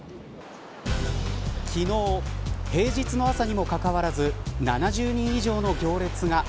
昨日、平日の朝にもかかわらず７０人以上の行列が。